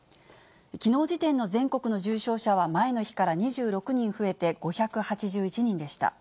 きのう時点の全国の重症者は、前の日から２６人増えて５８１人でした。